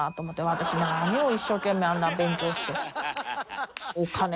私何を一生懸命あんな勉強して。